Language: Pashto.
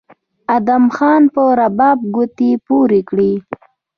ادم خان په رباب ګوتې پورې کړې